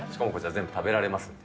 こちら、全部食べられます。